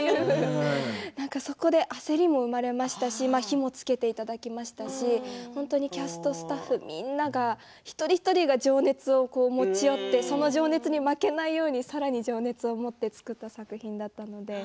そこで焦りも生まれましたし火もつけていただきましたしキャスト、スタッフ、みんなが一人一人が情熱を持ち寄ってその情熱に負けないようにさらに情熱を持って作らせていただきました。